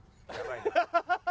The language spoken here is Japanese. ハハハハ！